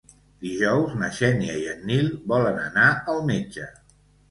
Dijous na Xènia i en Nil volen anar al metge.